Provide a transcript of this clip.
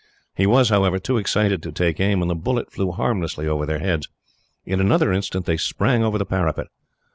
He was, however, too excited to take aim, and the bullet flew harmlessly over their heads. In another instant, they sprang over the parapet.